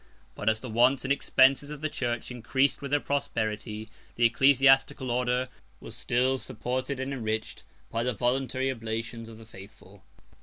But as the wants and expenses of the church increased with her prosperity, the ecclesiastical order was still supported and enriched by the voluntary oblations of the faithful.